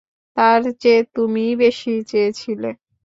তার চেয়ে তুমিই বেশি চেয়েছিলে।